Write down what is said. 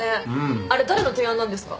あれ誰の提案なんですか？